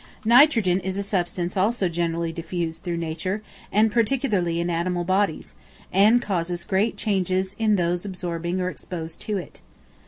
Nitrogen is a substance also generally diffused through nature, and particularly in animal bodies, and causes great changes in those absorbing or exposed to it.